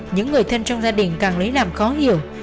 những người thân trong gia đình càng lấy làm khó hiểu